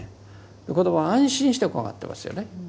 子どもは安心して怖がってますよね。